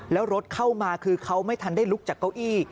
แล้วรถเข้ามาคือเขาไม่ทันได้ลุกจากเก้าอี้